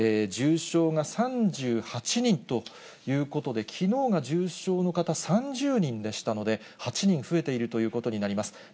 重症が３８人ということで、きのうが重症の方、３０人でしたので、８人増えているということになります。